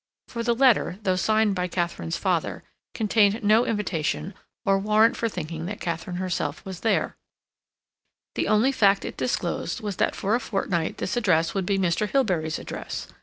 For the letter, though signed by Katharine's father, contained no invitation or warrant for thinking that Katharine herself was there; the only fact it disclosed was that for a fortnight this address would be Mr. Hilbery's address.